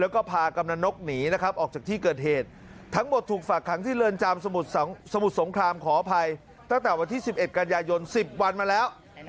ขออภัยตั้งแต่วันที่๑๑กันยายน๑๐วันมาแล้ว